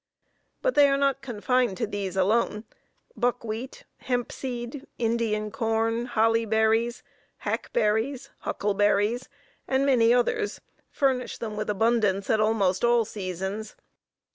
But they are not confined to these alone; buckwheat, hempseed, Indian corn, hollyberries, hackberries, huckleberries, and many others furnish them with abundance at almost all seasons.